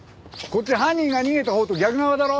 こっち犯人が逃げたほうと逆側だろ？